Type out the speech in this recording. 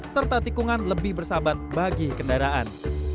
serta tikungan lebih bersahabat bagi kendaraan